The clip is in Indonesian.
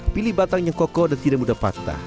pilih batang yang kokoh dan tidak mudah patah